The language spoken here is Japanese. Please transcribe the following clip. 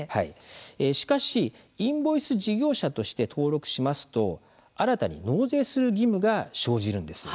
しかし、インボイス事業者として登録しますと新たに納税する義務が生じるんです。